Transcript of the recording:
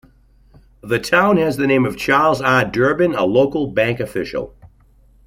The town has the name of Charles R. Durbin, a local bank official.